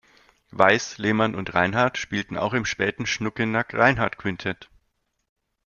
Weis, Lehmann und Reinhardt spielten auch im späten Schnuckenack-Reinhardt-Quintett.